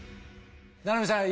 七海さん